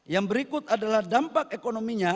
yang berikut adalah dampak ekonominya